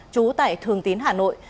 chú tại thường tín hà nội